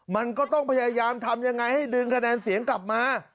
มันก็ต้องพยายามทำยังไงให้ดึงคะแนนเสียงกลับมา